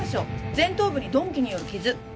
前頭部に鈍器による傷。